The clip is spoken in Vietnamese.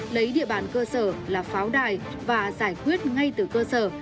lấy địa bàn cơ sở làm pháo đài và giải quyết ngay từ cơ sở